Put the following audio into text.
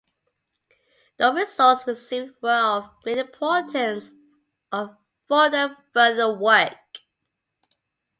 The results received were of great importance for the further work.